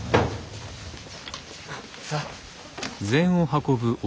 さあ。